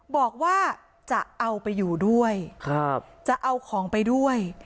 บอกว่าจะเอาไปอยู่ด้วยจะเอาของไปด้วย